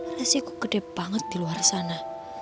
rasanya kok gede banget di luar sana